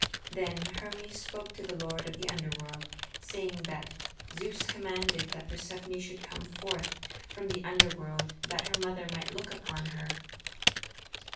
Then Hermes spoke to the lord of the Underworld, saying that Zeus commanded that Persephone should come forth from the Underworld that her mother might look upon her.